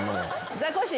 ザコシ。